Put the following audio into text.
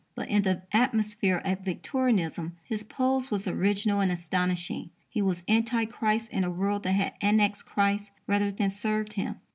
But in the atmosphere of Victorianism his pose was original and astonishing. He was anti Christ in a world that had annexed Christ rather than served him.